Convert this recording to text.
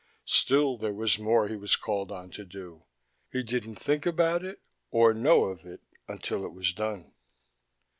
Still there was more he was called on to do: he did not think about it, or know of it until it was done.